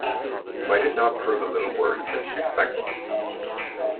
Might it not prove a little worse than she expected?